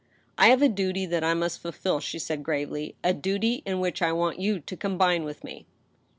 " I have a duty that I must fulfill," she said, gravely, " a duty in which I want you to combine with me."